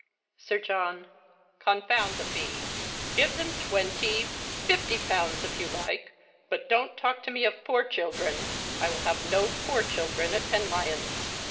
Sir John. Confound the fee ! Give them twenty, fifty j)ounds, if you like ; but don't talk to me of poor children. I will have no poor children at Penlyon.